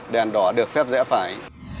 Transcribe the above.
đèn đỏ được phép dẽ phải